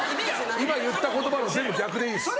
今言った言葉の全部逆でいいです。